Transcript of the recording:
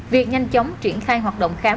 việc nhanh chóng triển khai hoạt động khám